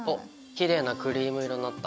きれいなクリーム色になった。